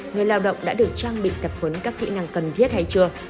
người lao động đã được trang bị tập huấn các kỹ năng cần thiết hay chưa